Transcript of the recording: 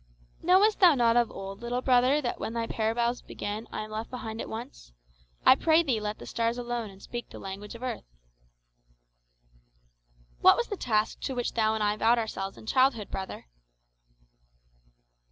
"Knowest thou not of old, little brother, that when thy parables begin I am left behind at once? I pray thee, let the stars alone, and speak the language of earth." "What was the task to which thou and I vowed ourselves in childhood, brother?"